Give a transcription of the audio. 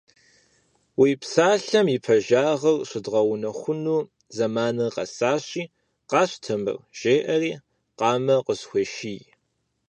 Уи псалъэм и пэжагъыр щыдгъэунэхуну зэманыр къэсащи, къащтэ мыр, — жеӀэри, къамэ къысхуеший.